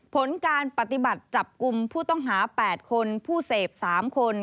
ผลการปฏิบัติจับกลุ่มผู้ต้องหา๘คนผู้เสพ๓คน